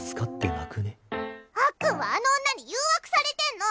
あっくんはあの女に誘惑されてんの。